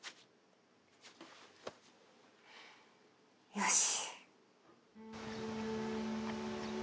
よし。